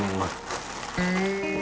mas makan bukan dirapihin